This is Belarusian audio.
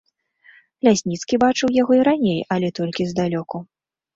Лясніцкі бачыў яго і раней, але толькі здалёку.